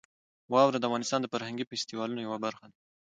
واوره د افغانستان د فرهنګي فستیوالونو یوه برخه ده.